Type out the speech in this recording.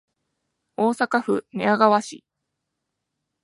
大阪府寝屋川市